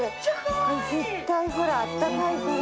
絶対ほらあったかいから。